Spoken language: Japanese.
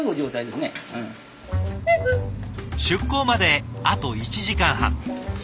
出港まであと１時間半。